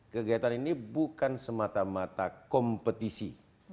kegiatan ini bukan semata mata kompetisi